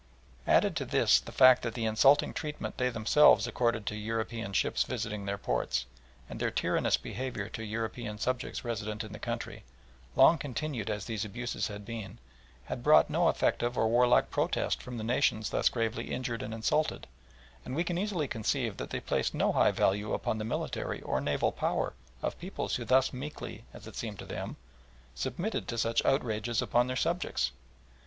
Added to this the fact that the insulting treatment they themselves accorded to European ships visiting their ports, and their tyrannous behaviour to European subjects resident in the country, long continued as these abuses had been, had brought no effective or warlike protest from the nations thus gravely injured and insulted, and we can easily conceive that they placed no high value upon the military or naval power of peoples who thus meekly, as it seemed to them, submitted to such outrages upon their subjects.